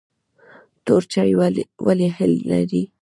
تور چای ولې هل لري؟